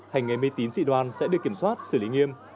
hành nghề mê tín dị đoan sẽ được kiểm soát xử lý nghiêm